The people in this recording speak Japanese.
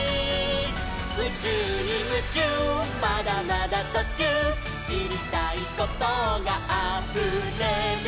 「うちゅうにムチューまだまだとちゅう」「しりたいことがあふれる」